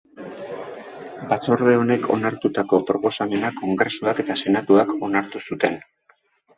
Batzorde honek onartutako proposamena Kongresuak eta Senatuak onartu zuten.